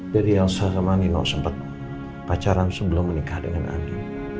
jadi elsa sama nino sempet pacaran sebelum menikah dengan andi